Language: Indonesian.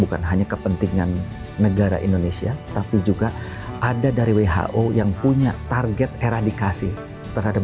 bukan hanya kepentingan negara indonesia tapi juga ada dari who yang punya target eradikasi mangsa v weekend untuk membuat tingkah teman